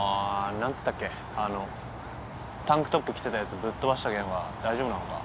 あのタンクトップ着てたやつぶっ飛ばした件は大丈夫なのか？